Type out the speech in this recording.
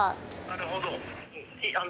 なるほど。